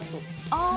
ああ。